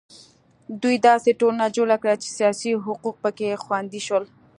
دوی داسې ټولنه جوړه کړه چې سیاسي حقوق په کې خوندي شول.